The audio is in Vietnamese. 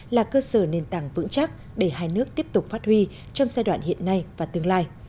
là cơ sở nền tảng vững chắc để hai nước tiếp tục phát huy trong giai đoạn hiện nay và tương lai